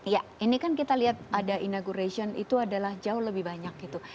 ya ini kan kita lihat ada inauguration itu adalah jauh lebih banyak gitu